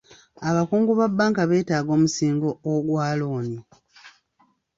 Abakungu ba bbanka betaaga omusingo ogwa looni.